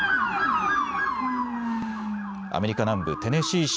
アメリカ南部テネシー州